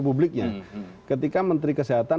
publiknya ketika menteri kesehatan